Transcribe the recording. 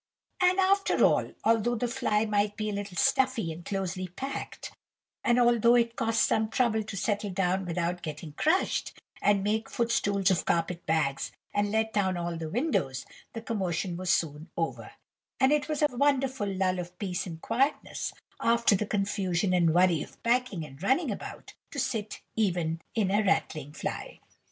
And, after all, although the fly might be a little stuffy and closely packed, and although it cost some trouble to settle down without getting crushed, and make footstools of carpet bags, and let down all the windows,—the commotion was soon over; and it was a wonderful lull of peace and quietness, after the confusion and worry of packing and running about, to sit even in a rattling fly.